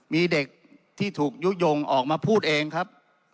มีเด็กที่ถูกยุโยงออกมาพูดเองครับ